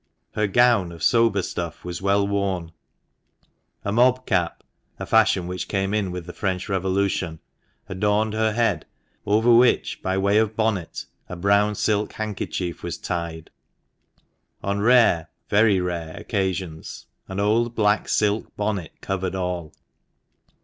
Her gown of sober stuff was well worn ; a mob cap (a fashion which came in with the French Revolution) adorned her head, over which, by way of bonnet, a brown silk handkerchief was tied. On rare — very rare — occasions, an old black silk bonnet covered all.